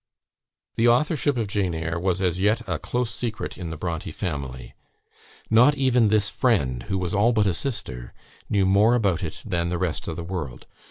The authorship of "Jane Eyre" was as yet a close secret in the Brontë family; not even this friend, who was all but a sister knew more about it than the rest of the world.